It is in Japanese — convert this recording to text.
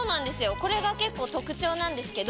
これが結構特徴なんですけど。